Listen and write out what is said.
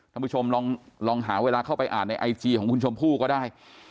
ท่านผู้ชมลองหาเวลาเข้าไปอ่านในไอจีของคุณชมพู่ก็ได้